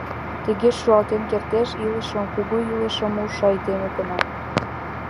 Тыге шӱлалтен кертеш илышым, кугу илышым ужшо айдеме гына.